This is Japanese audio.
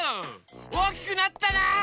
おおきくなったなあ！